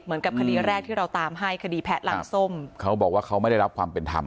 เหมือนกับคดีแรกที่เราตามให้คดีแพะหลังส้มเขาบอกว่าเขาไม่ได้รับความเป็นธรรม